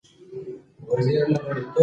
تګمیم او د سینټاګم اصطلاح یوناني کلیمې دي.